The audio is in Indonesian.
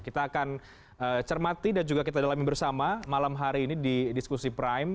kita akan cermati dan juga kita dalami bersama malam hari ini di diskusi prime